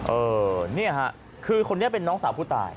เออนี่ค่ะคือคนนี้เป็นน้องสาวผู้ตาย